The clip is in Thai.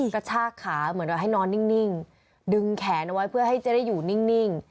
กระชากขาเหมือนให้นอนนิ่งดึงแขนเอาไว้เพื่อให้จะได้อยู่นิ่ง